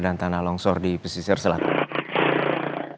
dan tanah longsor di pesisir selatan